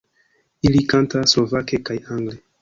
Ili kantas slovake kaj angle.